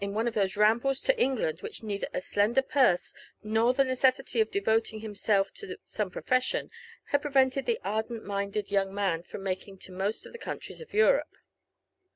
91 one of those rambles to England, ^hich neither a slender purse, nor the necessity of devoting himself to some profession, had prevented the ardent minded young man from making to most of the countries of Europe.